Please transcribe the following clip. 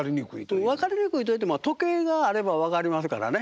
分かりにくいといっても時計があれば分かりますからね。